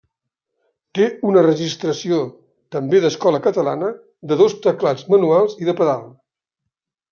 Té una registració, també d'escola catalana, de dos teclats manuals i de pedal.